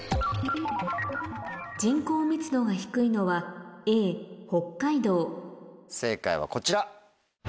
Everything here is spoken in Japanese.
人口密度が低いのは正解はこちら。